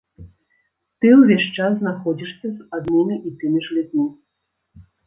Ты ўвесь час знаходзішся з аднымі і тымі ж людзьмі.